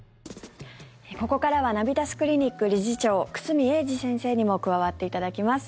ここからはナビタスクリニック理事長久住英二先生にも加わっていただきます。